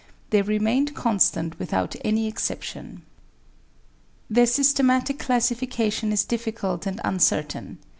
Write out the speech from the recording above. They remained constant without any exception. Their systematic classification is difficult and uncertain.